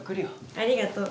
ありがとう。